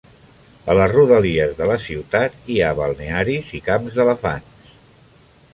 A les rodalies de la ciutat hi ha balnearis i camps d'elefants.